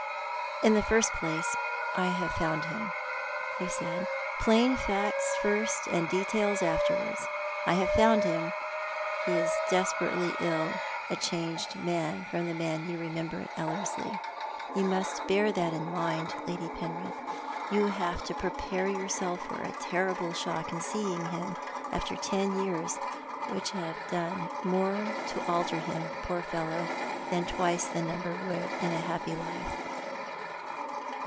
" In the first place, I have found him," he said —" plain facts first, and details afterwards. I have found him — he is despe rately ill — a changed man from the man you remember at Ellerslie. You must bear that in mind, Lady Penrith. You have to prepare yourself for a terrible shock in seeing him after ten years which have done more to alter him, poor fellow, than twice the number would in a happy life."